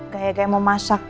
gak ya gak mau masak